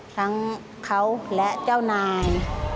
ทั้งเขาและเจ้านาย